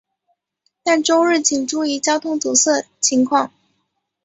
但周日请注意交通堵塞情况。